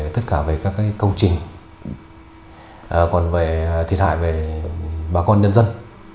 tất cả về các công trình còn về thiệt hại về bà con nhân dân